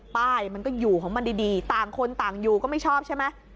ป้ายมันก็อยู่ของมันดีต่างคนต่างอยู่ก็ไม่ชอบใช่ไหม